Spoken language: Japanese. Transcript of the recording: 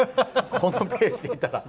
このペースでいったら。